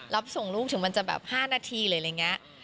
รับส่งลูกถึงมันจะแบบ๕นาทีหรืออะไรอย่างนี้